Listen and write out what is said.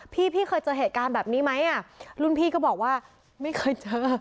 พี่พี่เคยเจอเหตุการณ์แบบนี้ไหมอ่ะรุ่นพี่ก็บอกว่าไม่เคยเจอ